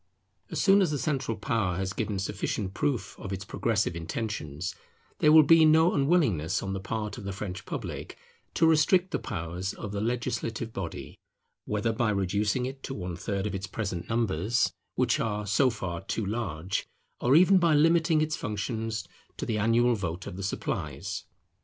As soon as the central power has given sufficient proof of its progressive intentions, there will be no unwillingness on the part of the French public to restrict the powers of the legislative body, whether by reducing it to one third of its present numbers, which are so far too large, or even by limiting its functions to the annual vote of the supplies.